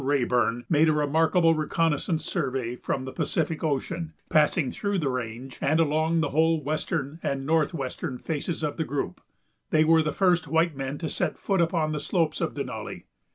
Raeburn made a remarkable reconnoissance survey from the Pacific Ocean, passing through the range and along the whole western and northwestern faces of the group. They were the first white men to set foot upon the slopes of Denali.